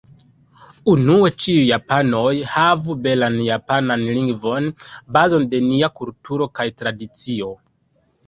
Unue ĉiuj japanoj havu belan japanan lingvon, bazon de nia kulturo kaj tradicio.